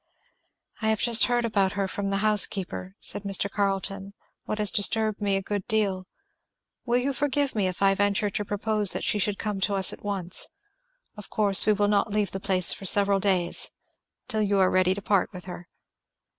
"I have just heard about her, from the housekeeper," said Mr, Carleton, "what has disturbed me a good deal. Will you forgive me, if I venture to propose that she should come to us at once. Of course we will not leave the place for several days till you are ready to part with her."